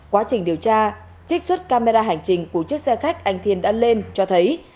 quá trình điều tra trích xuất camera hành trình của chiếc xe khách anh thiên đã lên cho thấy